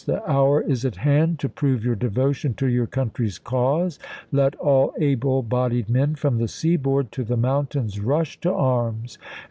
the hour is at hand to prove your devotion to your country's cause. Let all able bodied men from the sea board to the mountains rush to arms.